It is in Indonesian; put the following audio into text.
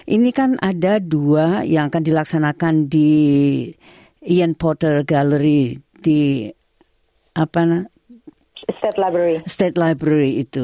ini kan ada dua yang akan dilaksanakan di ian porter gallery di state library